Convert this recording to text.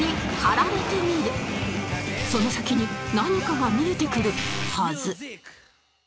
その先に何かが見えてくるはず